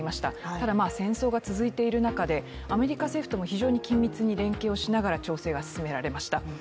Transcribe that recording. ただ戦争が続いている中で、アメリカ政府とも非常に緊密に連携をしながら調整が進められました。